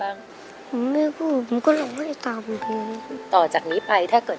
อันนี้จะมาแดนหรอเนี่ย